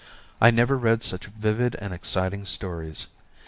I never read such vivid and exciting stories.